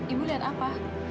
ibu lihat apa